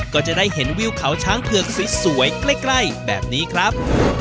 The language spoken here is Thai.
ก็จะได้เห็นวิวเขาช้างเผือกสวยใกล้แบบนี้ครับ